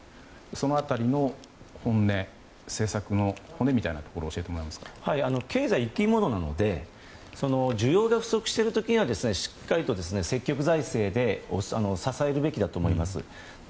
その辺りの本音政策の骨みたいなところを経済は生き物なので需要が不足しているときにはしっかり積極財政で支えるべきだと思います。